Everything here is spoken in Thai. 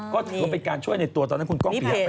ก็ถือเป็นการช่วยในตัวตอนนั้นคุณกล้องเปียกไปแล้ว